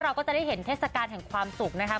เราก็จะได้เห็นทดสารแข่งความสุขนะครับ